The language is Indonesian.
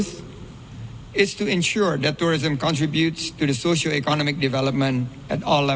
pertama itu untuk memastikan pariwisata berkualitas dan berkelanjutan